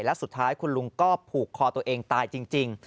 และสุดท้ายคุณลุงก็ผูกคอตัวเองตายจริง